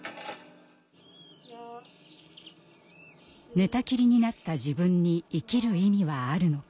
「寝たきりになった自分に生きる意味はあるのか」。